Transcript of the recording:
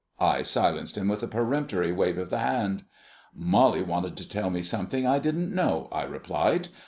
I silenced him with a peremptory wave of the hand. "Molly wanted to tell me something I didn't know," I replied.